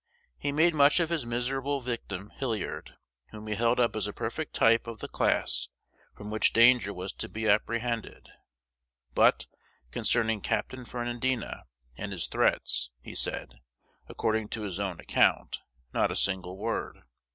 He made much of his miserable victim, Hilliard, whom he held up as a perfect type of the class from which danger was to be apprehended; but, concerning "Captain" Ferrandina and his threats, he said, according to his own account, not a single word.